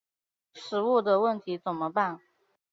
食物的问题怎么办？